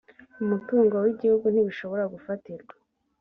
umutungo w’igihugu ntibishobora gufatirwa